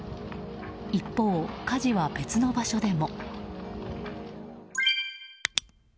一方、火事は別の場所でも。